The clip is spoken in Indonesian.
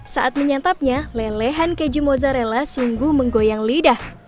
saat menyantapnya lelehan keju mozzarella sungguh menggoyang lidah